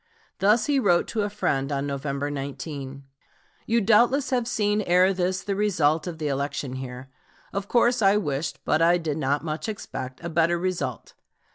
Thus he wrote to a friend on November 19: "You doubtless have seen ere this the result of the election here. Of course I wished, but I did not much expect, a better result....